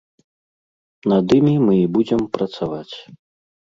Над імі мы і будзем працаваць.